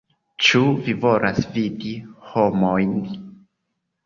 Ĉu vi volas vidi homojn?